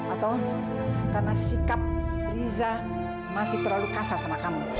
atau karena sikap riza masih terlalu kasar sama kamu